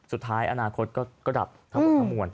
สุดท้ายอนาคตก็ดับทั้งหมวน